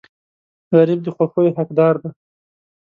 غریب د خوښیو حقدار دی